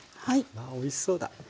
わあおいしそうだ。